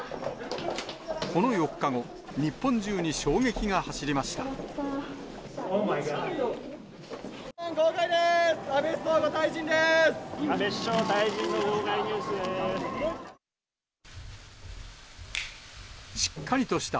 この４日後、日本中に衝撃が走りました。